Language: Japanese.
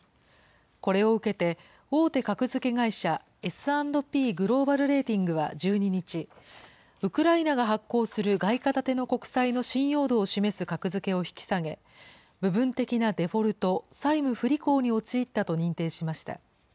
これを受けて、大手格付け会社、Ｓ＆Ｐグローバル・レーティングは１２日、ウクライナが発行する外貨建ての国債の信用度を示す格付けを引き下げ、部分的なデフォルト・債務不履行に陥ったと認定しました。